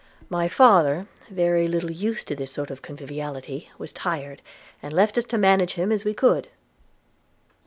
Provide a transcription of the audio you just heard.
My father, very little used to this sort of conviviality, was tired, and left us to manage him as we could.